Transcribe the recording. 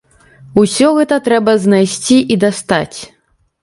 Усё гэта трэба знайсці і дастаць.